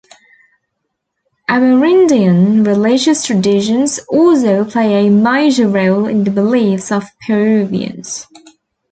Amerindian religious traditions also play a major role in the beliefs of Peruvians.